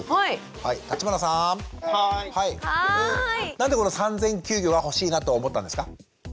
なんでこの産前休業が欲しいなと思ったんですか？